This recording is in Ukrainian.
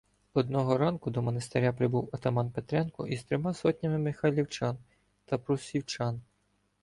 Одного ранку до монастиря прибув отаман Петренко із трьома сотнями михайлівчан "та прусівчан".